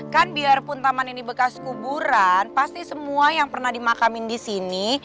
kan biarpun taman ini bekas kuburan pasti semua yang pernah dimakamin di sini